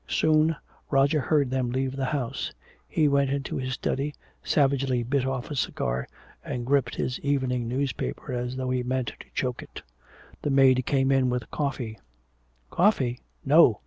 Soon Roger heard them leave the house. He went into his study, savagely bit off a cigar and gripped his evening paper as though he meant to choke it. The maid came in with coffee. "Coffee? No!"